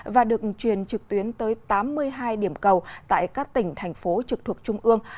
và được truyền trực tuyến tới tám mươi hai điểm cầu tại các tỉnh thành phố trực thuộc trung ương